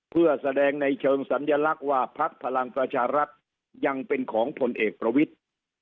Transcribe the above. เพื่อแสดงในเชิงสัญลักษณ์ว่าพักพลังประชารัฐยังเป็นของผลเอกประวิทธิ์